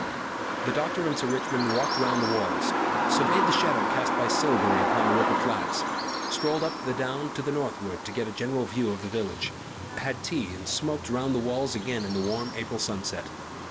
The doctor and Sir Richmond walked round the walls, surveyed the shadow cast by Silbury upon the river flats, strolled up the down to the northward to get a general view of the village, had tea and smoked round the walls again in the warm April sunset.